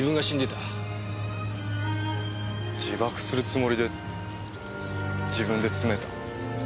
自爆するつもりで自分で詰めた。